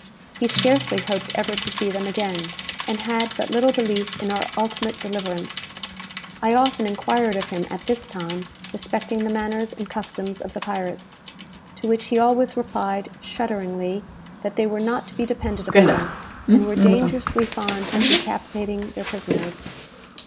He scarcely hoped ever to see them again, and had but little belief in our ultimate deliverance. I often enquired of him, at this time, respecting the manners and customs of the pirates; to which he always replied, shudderingly, that they were not to be depended upon, and were dangerously fond of decapitating their prisoners.